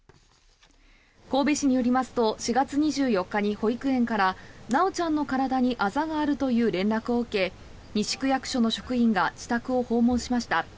神戸市によりますと４月２４日に保育園から修ちゃんの体にあざがあるという連絡を受け西区役所の職員が自宅を訪問しました。